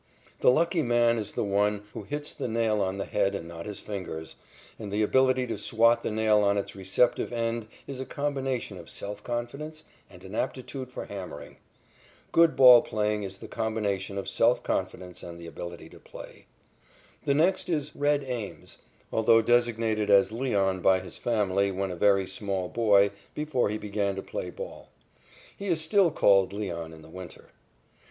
The lucky man is the one who hits the nail on the head and not his fingers, and the ability to swat the nail on its receptive end is a combination of self confidence and an aptitude for hammering. Good ball playing is the combination of self confidence and the ability to play. The next is "Red" Ames, although designated as "Leon" by his family when a very small boy before he began to play ball. (He is still called "Leon" in the winter.)